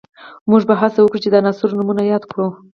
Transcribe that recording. موږ به هڅه وکړو چې د عناصرو نومونه یاد کړو